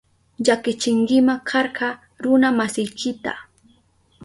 Llakichinkima karka runa masiykita.